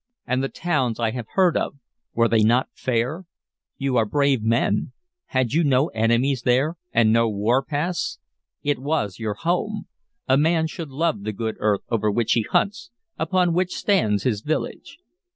And the towns I have heard of were they not fair? You are brave men: had you no enemies there, and no warpaths? It was your home: a man should love the good earth over which he hunts, upon which stands his village.